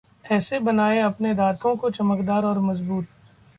ऐसे बनाएं अपने दांतों को चमकदार और मजबूत!